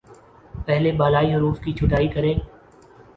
پہلے بالائی حروف کی چھٹائی کریں